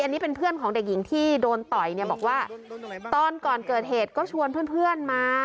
อันนี้เป็นเพื่อนของเด็กหญิงที่โดนต่อยเนี่ยบอกว่าตอนก่อนเกิดเหตุก็ชวนเพื่อนมา